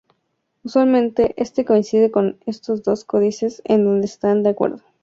Usualmente este coincide con esos dos códices en donde están de acuerdo.